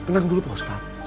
tenang dulu pak ustadz